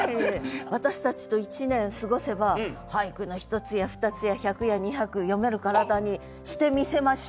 私たちと１年過ごせば俳句の一つや二つや百や二百詠める体にしてみせましょう。